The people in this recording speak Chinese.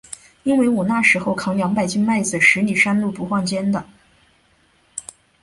因为我那时候，扛两百斤麦子，十里山路不换肩的。